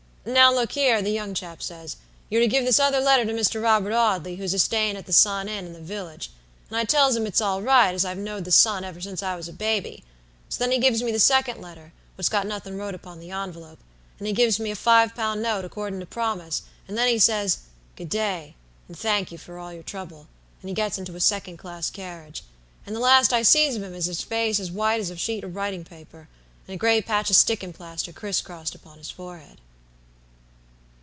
"'Now look here,' the young chap says, 'you're to give this other letter to Mr. Robert Audley, whose a stayin' at the Sun Inn, in the village;' and I tells him it's all right, as I've know'd the Sun ever since I was a baby. So then he gives me the second letter, what's got nothing wrote upon the envelope, and he gives me a five pound note, accordin' to promise; and then he says, 'Good day, and thank you for all your trouble,'and he gets into a second class carriage; and the last I sees of him is a face as white as a sheet of writin' paper, and a great patch of stickin' plaster criss crossed upon his forehead."